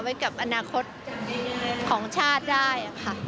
ไว้กับอนาคตของชาติได้ค่ะ